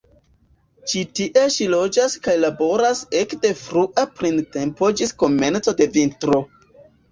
Ĉi tie ŝi loĝas kaj laboras ekde frua printempo ĝis komenco de vintro.